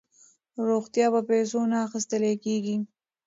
روغتیا په پیسو نه اخیستل کیږي.